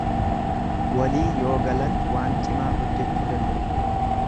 Walii yoo galan waan cimaa hojjechuu danda'u.